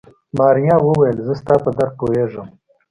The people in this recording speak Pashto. ماريا وويل زه ستا په درد پوهېږم.